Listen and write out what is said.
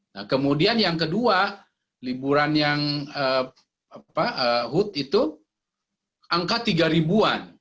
nah kemudian yang kedua liburan yang hood itu angka tiga ribuan